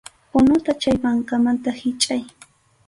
Unuta chay mankamanta hichʼay.